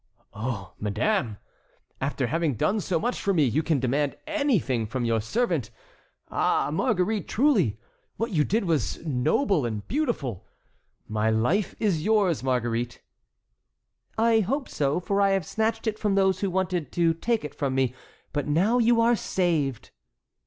"Oh, madame! after having done so much for me, you can demand anything from your servant. Ah, Marguerite, truly, what you did was noble and beautiful. My life is yours, Marguerite." "I hope so, for I have snatched it from those who wanted to take it from me. But now you are saved."